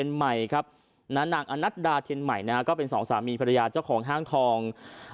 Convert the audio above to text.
นางอนนัตดาเทียนใหม่เป็นสองสามีปรยาชของห้างทอง